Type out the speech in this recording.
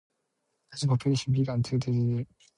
The population began to decline during the Great Depression.